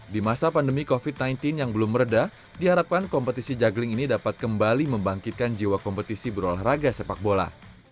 di masa pandemi covid sembilan belas yang belum meredah diharapkan kompetisi juggling ini dapat kembali membangkitkan jiwa kompetisi berolahraga sepak bola